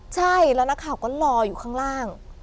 ใช่แล้วนักข่าวก็รออยู่ข้างล่าง